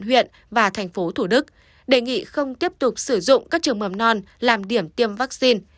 huyện và thành phố thủ đức đề nghị không tiếp tục sử dụng các trường mầm non làm điểm tiêm vaccine